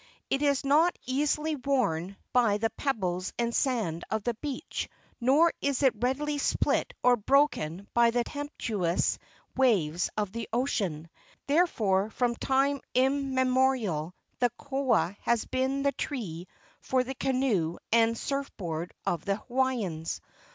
It is not easily worn by the pebbles and sand of the beach, nor is it readily split or broken by the tempestuous waves of the ocean, therefore from time immemo¬ rial the koa has been the tree for the canoe and surf board of the Hawaiians.